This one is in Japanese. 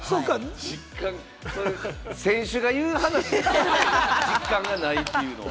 それ選手が言う話、実感がないっていうのは。